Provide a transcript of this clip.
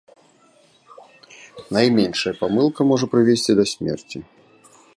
Найменшая памылка можа прывесці да смерці.